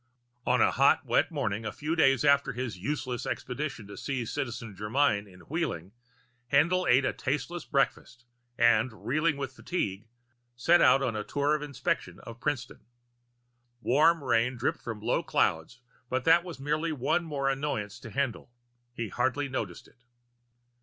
On a hot, wet morning a few days after his useless expedition to see Citizen Germyn in Wheeling, Haendl ate a tasteless breakfast and, reeling with fatigue, set out on a tour of inspection of Princeton. Warm rain dripped from low clouds, but that was merely one more annoyance to Haendl. He hardly noticed it.